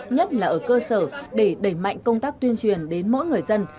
nhất là ở cơ sở để đẩy mạnh công tác tuyên truyền đến mỗi người dân